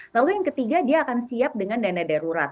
lalu yang ketiga dia akan siap dengan dana darurat